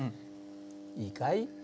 いいかい？